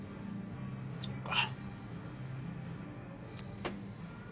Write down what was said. そっか。